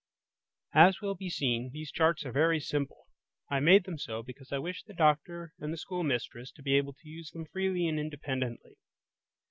As will be seen, these charts are very simple. I made them so because I wished the doctor and the schoolmistress to be able to use them freely and independently.